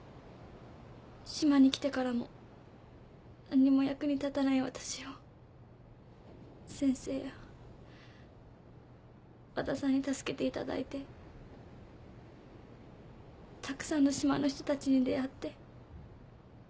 島に来てからも何にも役に立たないわたしを先生や和田さんに助けていただいてたくさんの島の人たちに出会って。